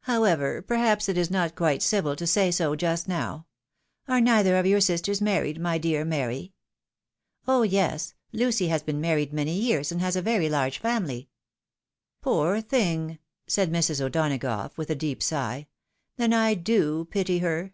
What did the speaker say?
However, perhaps it is not quite civil to say so just now. Are neither of your sisters married, my dear Mary ?"" Oh yes ! Lucy has been married many years, and has a very large family !"" Poor thing !" said Mrs. O'Donagough with a deep sigh ;" then I do pity her